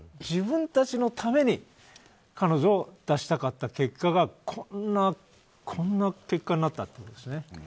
自分たちのために彼女を出したかった結果がこんな結果になったということですね。